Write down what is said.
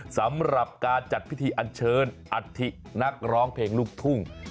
สำหรับการจัดพิธีอันเชิญอัฐินักร้องเพลงลูกทุ่ง